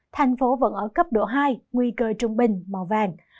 thành phố vẫn ở cấp độ hai nguy cơ trung bình màu vàng